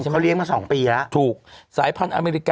พิษบูปกติ